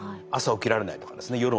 朝起きられないとかですね